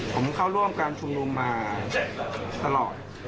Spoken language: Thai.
ผมเข้าร่วมการชุมนุมมาตลอด